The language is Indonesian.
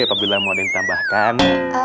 ya apabila mau ditambahkan